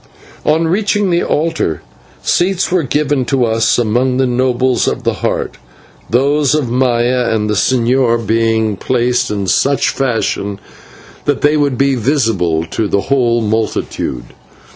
On reaching the altar, seats were given to us among the nobles of the Heart, those of Maya and the señor being placed in such fashion that they would be visible to the whole multitude.